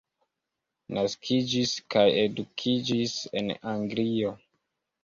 Naskiĝis kaj edukiĝis en Anglio.